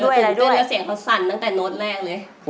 เห็นด้วยแล้วเสียงเขาสั่นตั้งแต่โน้ตแรกเลย